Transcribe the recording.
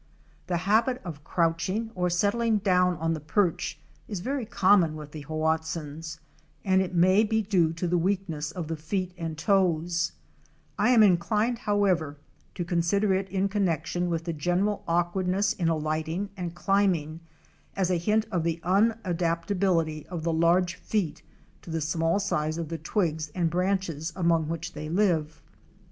The habit of crouching or settling down on the perch is very common with the Hoatzins, and it may be due to the weakness of the feet and toes. I am inclined Fic. 153. (B) FEMALE HOATZIN IN THE SAME POSITION, THE MALE HAV ING FLOWN NEARER. however to consider it in connection with the general awk wardness in alighting and climbing, as a hint of the unadapta bility of the large feet to the small size of the twigs and branches among which they live.